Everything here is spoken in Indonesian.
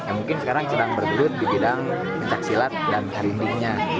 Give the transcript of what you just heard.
mungkin sekarang sedang berduduk di bidang pencaksilat dan karindingnya